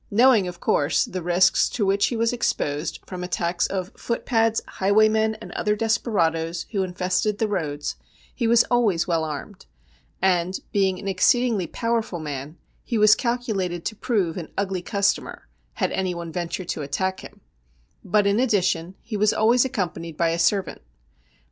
Knowing, of course, the risks to which he was exposed from attacks of footpads, highwaymen, and other desperadoes who infested the roads, he was always well armed ; and, being an exceedingly powerful man, he was calculated to prove an ugly customer had anyone ventured to attack him ; but, in addition, he was always accompanied by a servant.